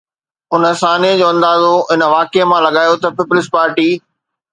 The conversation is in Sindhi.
ان سانحي جو اندازو ان واقعي مان لڳايو ته پيپلز پارٽي